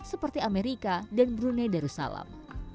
seperti amerika dan brunei darussalam